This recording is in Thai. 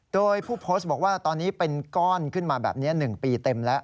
โดยผู้โพสต์บอกว่าตอนนี้เป็นก้อนขึ้นมาแบบนี้๑ปีเต็มแล้ว